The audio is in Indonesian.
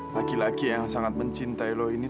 laki laki yang sangat mencintai lo ini